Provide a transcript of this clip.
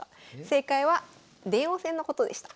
正解は電王戦のことでした。